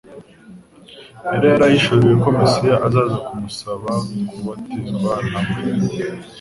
Yari yarahishuriwe ko Mesiya azaza kumusaba kubatizwa na we,